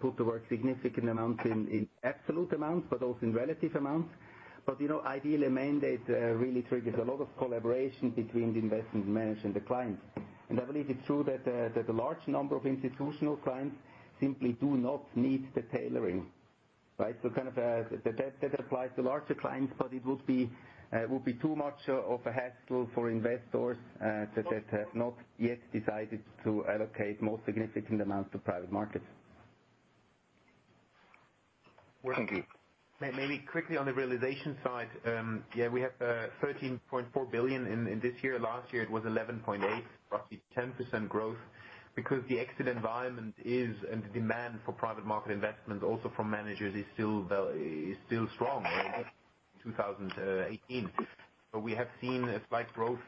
put to work significant amount in absolute amounts, but also in relative amounts. Ideally, a mandate really triggers a lot of collaboration between the investment manager and the client. I believe it's true that a large number of institutional clients simply do not need the tailoring. That applies to larger clients, but it would be too much of a hassle for investors that have not yet decided to allocate more significant amounts to private markets. Thank you. Maybe quickly on the realization side. Yeah, we have $13.4 billion in this year. Last year it was $11.8, roughly 10% growth because the exit environment is, and the demand for private market investment also from managers is still strong in 2018. We have seen a slight growth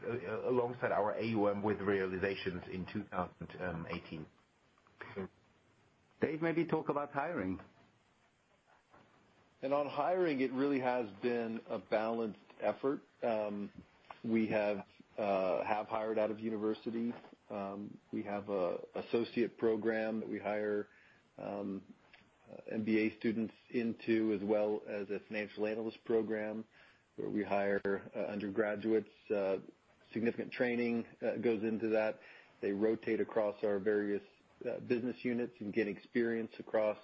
alongside our AUM with realizations in 2018. Dave, maybe talk about hiring. On hiring, it really has been a balanced effort. We have hired out of universities. We have associate program that we hire MBA students into, as well as a financial analyst program where we hire undergraduates. Significant training goes into that. They rotate across our various business units and get experience across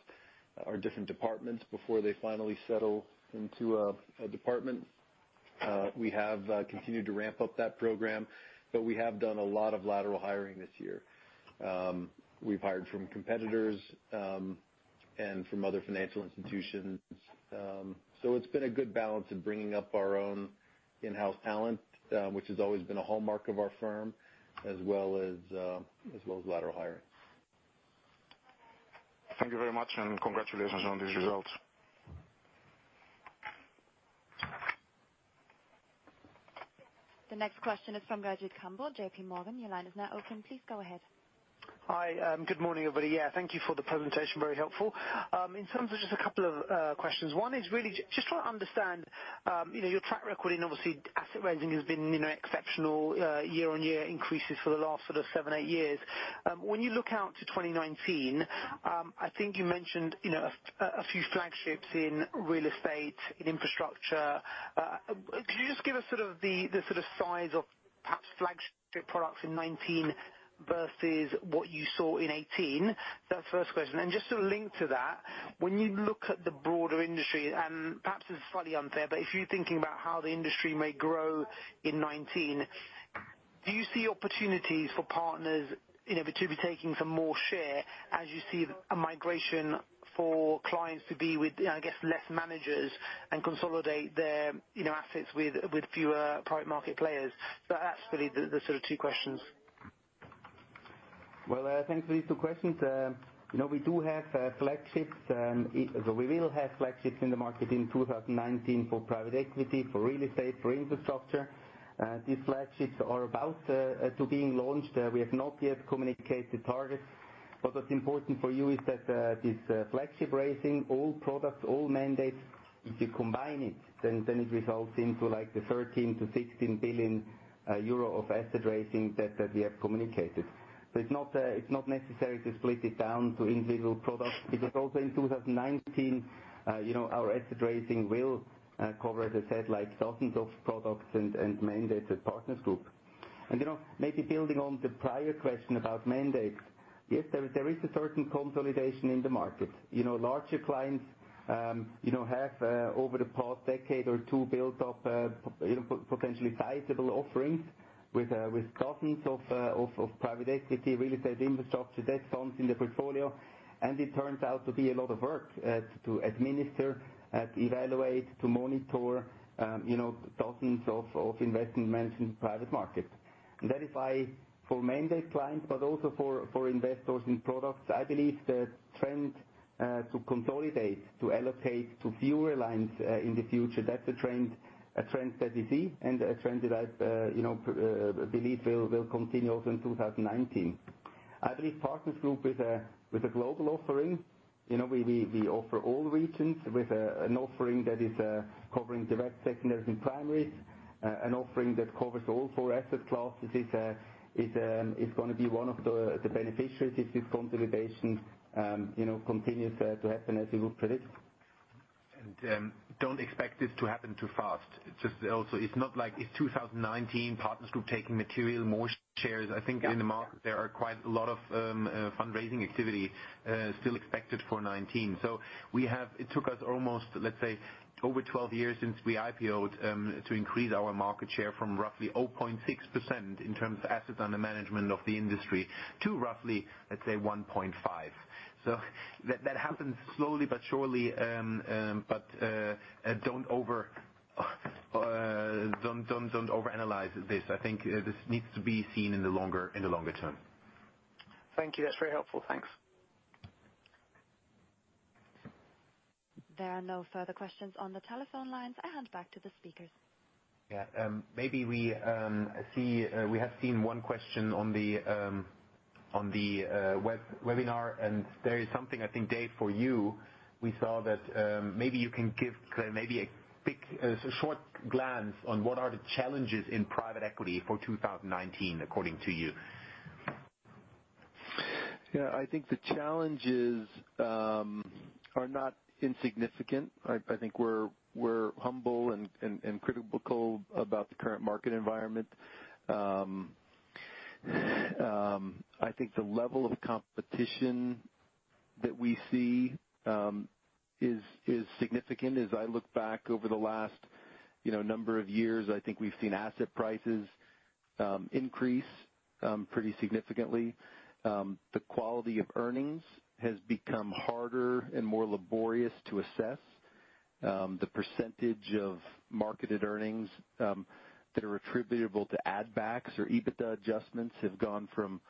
our different departments before they finally settle into a department. We have continued to ramp up that program, but we have done a lot of lateral hiring this year. We've hired from competitors and from other financial institutions. It's been a good balance of bringing up our own in-house talent, which has always been a hallmark of our firm, as well as lateral hiring. Thank you very much, and congratulations on these results. The next question is from Gajut Kambal, JPMorgan. Your line is now open. Please go ahead. Hi. Good morning, everybody. Thank you for the presentation. Very helpful. In terms of just a couple of questions. One is really just trying to understand your track record, and obviously asset raising has been exceptional year-on-year increases for the last sort of seven, eight years. When you look out to 2019, I think you mentioned a few flagships in real estate, in infrastructure. Could you just give us the sort of size of perhaps flagship products in 2019 versus what you saw in 2018? That's the first question. Just to link to that, when you look at the broader industry, and perhaps this is slightly unfair, but if you're thinking about how the industry may grow in 2019, do you see opportunities for Partners Group to be taking some more share as you see a migration for clients to be with less managers and consolidate their assets with fewer private market players? That's really the two questions. Well, thanks for these two questions. We will have flagships in the market in 2019 for private equity, for real estate, for infrastructure. These flagships are about to be launched. We have not yet communicated targets. What's important for you is that this flagship raising, all products, all mandates, if you combine it, then it results into the 13 billion-16 billion euro of asset raising that we have communicated. It's not necessary to split it down to individual products. Because also in 2019, our asset raising will cover, as I said, thousands of products and mandated Partners Group. Maybe building on the prior question about mandates. Yes, there is a certain consolidation in the market. Larger clients have, over the past decade or two, built up potentially sizable offerings with thousands of private equity real estate infrastructure debt funds in the portfolio. It turns out to be a lot of work to administer, evaluate, to monitor dozens of investment managed private markets. That is why for mandate clients, but also for investors in products, I believe the trend to consolidate, to allocate to fewer lines in the future, that's a trend that we see and a trend that I believe will continue also in 2019. I believe Partners Group is a global offering. We offer all regions with an offering that is covering direct secondaries and primaries, an offering that covers all four asset classes. It's going to be one of the beneficiaries if this consolidation continues to happen as we would predict. Don't expect it to happen too fast. It's not like it's 2019, Partners Group taking material more shares. I think in the market, there are quite a lot of fundraising activity still expected for 2019. It took us almost over 12 years since we IPO'd to increase our market share from roughly 0.6% in terms of assets under management of the industry to roughly 1.5%. That happens slowly but surely. Don't overanalyze this. I think this needs to be seen in the longer term. Thank you. That's very helpful. Thanks. There are no further questions on the telephone lines. I hand back to the speakers. We have seen one question on the webinar. There is something, I think, Dave, for you. We saw that maybe you can give a short glance on what are the challenges in private equity for 2019 according to you. I think the challenges are not insignificant. I think we're humble and critical about the current market environment. I think the level of competition that we see is significant. As I look back over the last number of years, I think we've seen asset prices increase pretty significantly. The quality of earnings has become harder and more laborious to assess. The percentage of marketed earnings that are attributable to add backs or EBITDA adjustments have gone from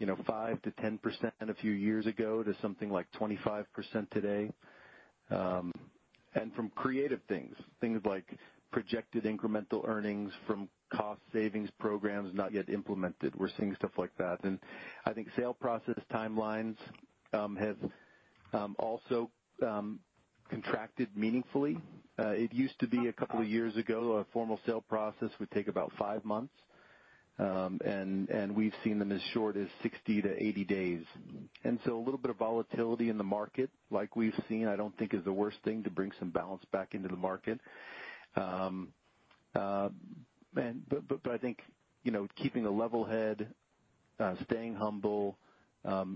5%-10% a few years ago to something like 25% today. From creative things like projected incremental earnings from cost savings programs not yet implemented. We're seeing stuff like that. I think sale process timelines have also contracted meaningfully. It used to be a couple of years ago, a formal sale process would take about five months. We've seen them as short as 60-80 days. A little bit of volatility in the market like we've seen, I don't think is the worst thing to bring some balance back into the market. I think keeping a level head, staying humble,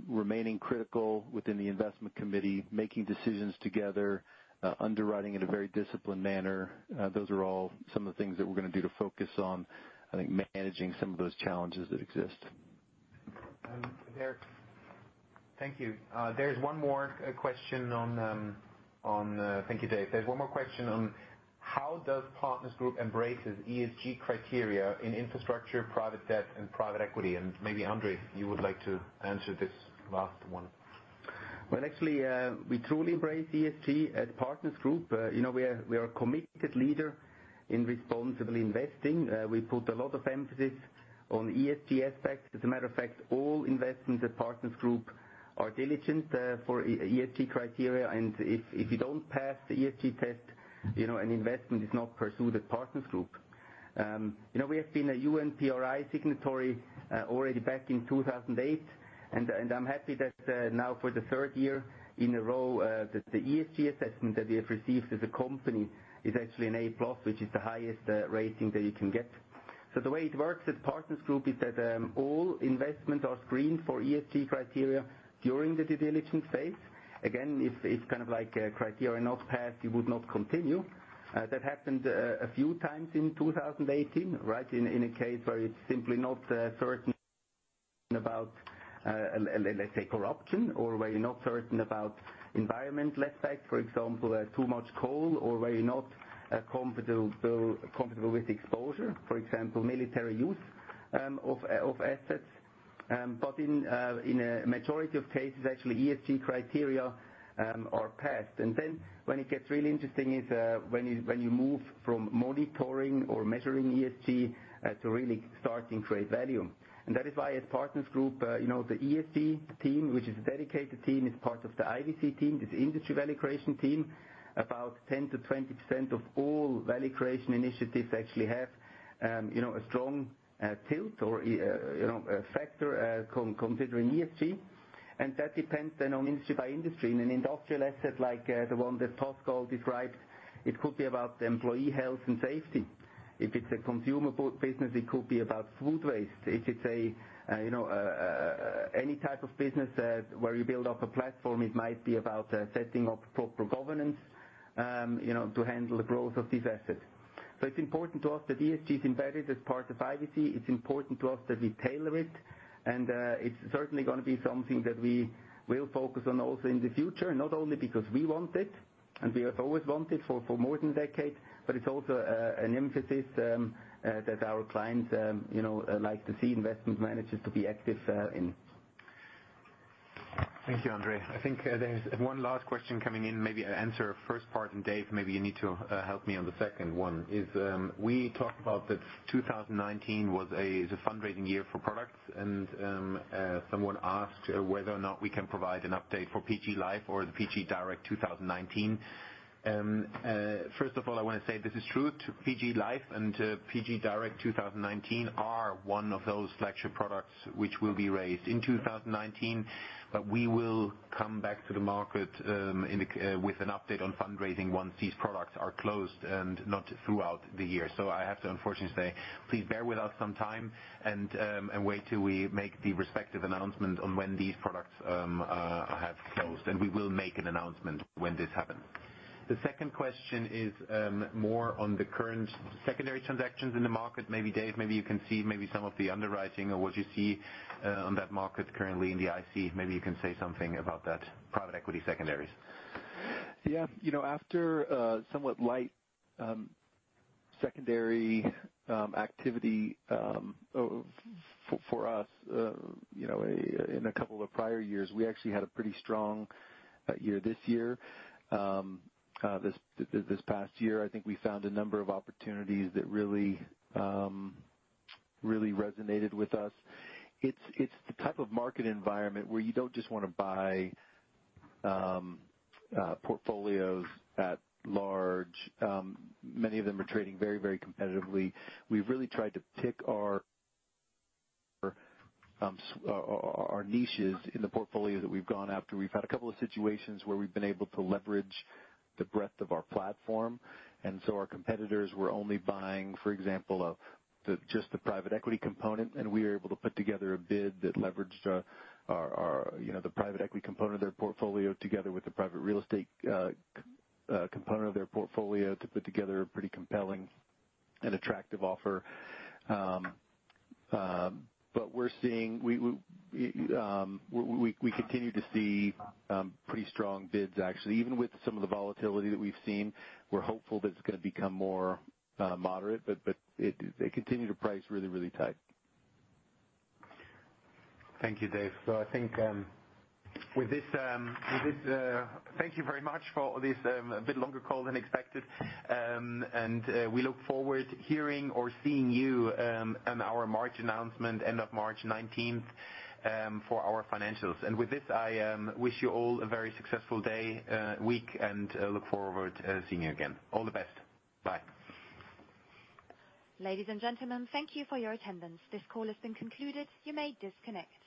remaining critical within the investment committee, making decisions together, underwriting in a very disciplined manner, those are all some of the things that we're going to do to focus on managing some of those challenges that exist. Thank you. Thank you, Dave. There's one more question on how does Partners Group embrace its ESG criteria in infrastructure, private debt, and private equity? Maybe André, you would like to answer this last one. Well, actually, we truly embrace ESG at Partners Group. We are a committed leader in responsible investing. We put a lot of emphasis on ESG aspects. As a matter of fact, all investments at Partners Group are diligent for ESG criteria. If you don't pass the ESG test, an investment is not pursued at Partners Group. We have been a UN PRI signatory already back in 2008. I'm happy that now for the third year in a row, that the ESG assessment that we have received as a company is actually an A+, which is the highest rating that you can get. The way it works at Partners Group is that all investments are screened for ESG criteria during the due diligence phase. Again, it's kind of like a criteria not passed, you would not continue. That happened a few times in 2018, right? In a case where it's simply not certain about, let's say, corruption or where you're not certain about environmental aspect, for example, too much coal, or where you're not comfortable with exposure, for example, military use of assets. In a majority of cases, actually ESG criteria are passed. When it gets really interesting is when you move from monitoring or measuring ESG to really starting to create value. That is why as Partners Group, the ESG team, which is a dedicated team, is part of the IVC team, the Industry Value Creation team. About 10%-20% of all value creation initiatives actually have a strong tilt or a factor considering ESG. That depends then on industry by industry. In an industrial asset like the one that Pascal described, it could be about the employee health and safety. If it's a consumer business, it could be about food waste. If it's any type of business where you build up a platform, it might be about setting up proper governance to handle the growth of these assets. It's important to us that ESG is embedded as part of IVC. It's important to us that we tailor it, and it's certainly going to be something that we will focus on also in the future. Not only because we want it, and we have always wanted for more than a decade, but it's also an emphasis that our clients like to see investment managers to be active in. Thank you, André. I think there's one last question coming in. Maybe I answer first part, and Dave, maybe you need to help me on the second one is, we talked about that 2019 was a fundraising year for products, and someone asked whether or not we can provide an update for PG LIFE or the PG Direct 2019. First of all, I want to say this is true to PG LIFE and PG Direct 2019 are one of those flagship products which will be raised in 2019. We will come back to the market with an update on fundraising once these products are closed and not throughout the year. I have to unfortunately say, please bear with us some time and wait till we make the respective announcement on when these products have closed. We will make an announcement when this happens. The second question is more on the current secondary transactions in the market. Maybe Dave, maybe you can see maybe some of the underwriting or what you see on that market currently in the IC. Maybe you can say something about that private equity secondaries. Yeah. After a somewhat light secondary activity for us in a couple of prior years, we actually had a pretty strong year this year. This past year, I think we found a number of opportunities that really resonated with us. It's the type of market environment where you don't just want to buy portfolios at large. Many of them are trading very, very competitively. We've really tried to pick our niches in the portfolio that we've gone after. We've had a couple of situations where we've been able to leverage the breadth of our platform. Our competitors were only buying, for example, just the private equity component, and we were able to put together a bid that leveraged the private equity component of their portfolio together with the private real estate component of their portfolio to put together a pretty compelling and attractive offer. We continue to see pretty strong bids, actually. Even with some of the volatility that we've seen, we're hopeful that it's going to become more moderate. They continue to price really, really tight. Thank you, Dave. I think with this, thank you very much for this bit longer call than expected. We look forward to hearing or seeing you on our March announcement, end of March 19th, for our financials. With this, I wish you all a very successful day, week, and look forward to seeing you again. All the best. Bye. Ladies and gentlemen, thank you for your attendance. This call has been concluded. You may disconnect.